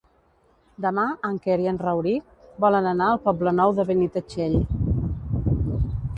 Demà en Quer i en Rauric volen anar al Poble Nou de Benitatxell.